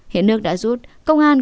hiện nước đã rút công an